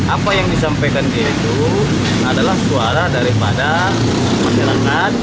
apa yang disampaikan dia itu adalah suara daripada masyarakat